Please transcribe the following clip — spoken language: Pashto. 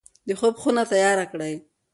د خوب خونه تیاره کړئ.